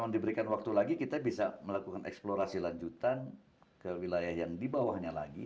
diberikan waktu lagi kita bisa melakukan eksplorasi lanjutan ke wilayah yang di bawahnya lagi